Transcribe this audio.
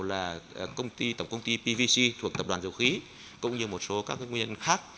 là tổng công ty pvc thuộc tập đoàn dầu khí cũng như một số các nguyên nhân khác